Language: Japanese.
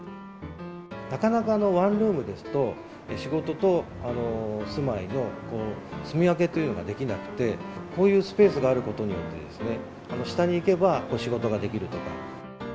なかなかワンルームですと、仕事と住まいのすみ分けというのができなくて、こういうスペースがあることによって、下に行けば仕事ができるとか。